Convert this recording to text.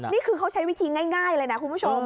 นี่คือเขาใช้วิธีง่ายเลยนะคุณผู้ชม